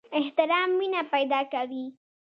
احترام مینه پیدا کوي